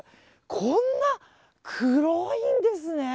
こんな黒いんですね。